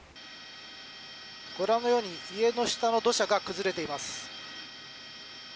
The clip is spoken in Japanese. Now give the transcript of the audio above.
ご覧のように家の下の土砂が崩れています。